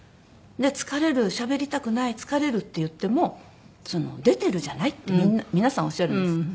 疲れるしゃべりたくない疲れるって言っても「出てるじゃない」って皆さんおっしゃるんですよ。